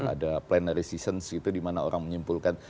ada planarist season gitu dimana orang menyimpulkan